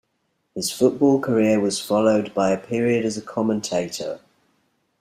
His football career was followed by a period as a commentator.